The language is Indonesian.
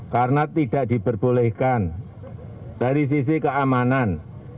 karena tidak diperbolehkan dari sisi keamanan